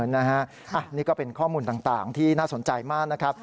นะฮะนี่ก็เป็นข้อมูลต่างที่น่าสนใจมาก